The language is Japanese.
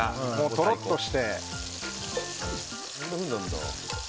とろっとして。